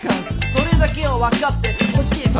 それだけは分かって欲しいッス！